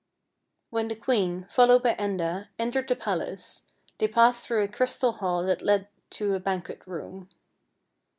When the queen, followed by Enda, entered the palace, they passed through a crystal hall that led to a banquet room.